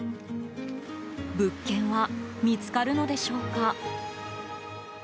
物件は見つかるのでしょうか？